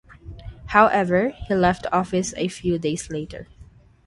However, he left office a few days later.